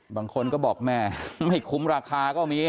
บางคนก็บอกแม่ไม่คุ้มราคาก็มี